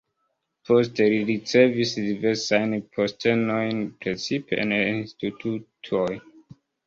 Poste li ricevis diversajn postenojn, precipe en institutoj.